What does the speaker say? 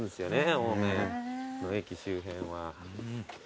青梅の駅周辺は。